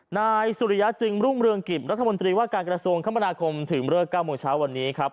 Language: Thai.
นายสุริยะจึงรุ่งเรืองกิจรัฐมนตรีว่าการกระทรวงคมนาคมถึงเลิก๙โมงเช้าวันนี้ครับ